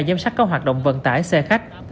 giám sát các hoạt động vận tải xe khách